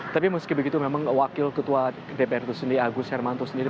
tapi meski begitu memang wakil ketua dpr itu sendiri agus hermanto sendiri